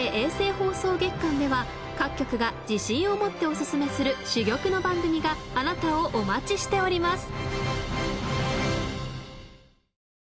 放送月間では各局が自信を持ってオススメする珠玉の番組があなたをお待ちしております。